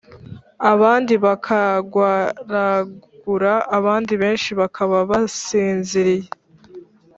abandi bakarwaragura, abandi benshi bakaba basinziriye